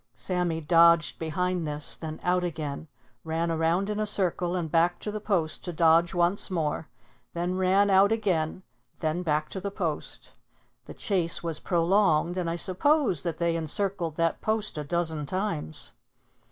Sammy dodged behind this, then out again, ran around in a circle and back to the post to dodge once more, then ran out again, then back to the post. The chase was prolonged and I suppose that they encircled that post a dozen times.